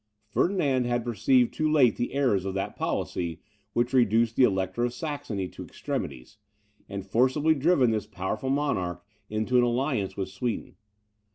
Ferdinand had perceived too late the errors of that policy, which reduced the Elector of Saxony to extremities, and forcibly driven this powerful monarch into an alliance with Sweden.